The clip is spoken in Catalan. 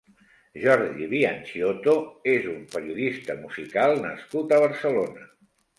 Jordi Bianciotto és un periodista musical nascut a Barcelona.